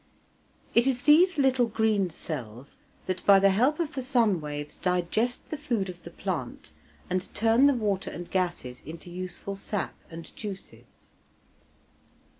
It is these little green cells that by the help of the sun waves digest the food of the plant and turn the water and gases into useful sap and juices.